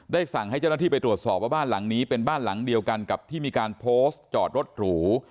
สั่งให้เจ้าหน้าที่ไปตรวจสอบว่าบ้านหลังนี้เป็นบ้านหลังเดียวกันกับที่มีการโพสต์จอดรถหรู